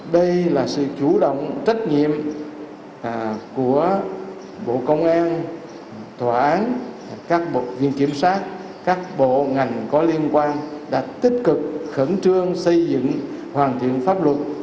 đây là sự chủ động trách nhiệm của bộ công an tòa án các bộ viện kiểm sát các bộ ngành có liên quan đã tích cực khẩn trương xây dựng hoàn thiện pháp luật